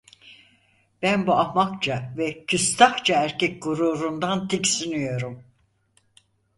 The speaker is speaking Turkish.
Ben bu ahmakça ve küstahça erkek gururundan tiksiniyorum.